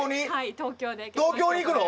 東京に行くの？